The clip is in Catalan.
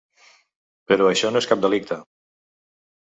Però això no és cap delicte.